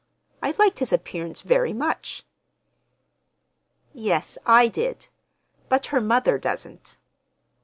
I liked his appearance very much." "Yes, I did—but her mother doesn't."